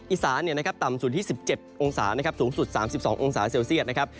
อีสานต่ำสุดที่๑๗องศานะครับสูงสุด๓๒องศาเซลเซียตนะครับ